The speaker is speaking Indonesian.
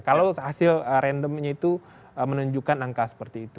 kalau hasil randomnya itu menunjukkan angka seperti itu